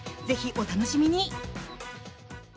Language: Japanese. ぜひ、お楽しみに！